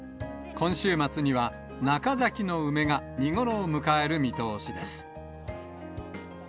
今週末には中咲きの梅が見頃を迎える見通しです。